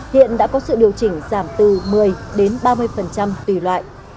hiện đã có sự điều chỉnh giảm từ một mươi đến ba mươi tùy loại